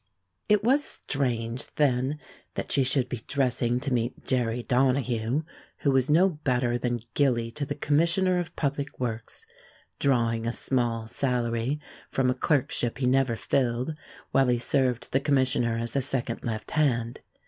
It was strange, then, that she should be dressing to meet Jerry Donahue, who was no better than gilly to the Commissioner of Public Works, drawing a small salary from a clerkship he never filled, while he served the Commissioner as a second left hand.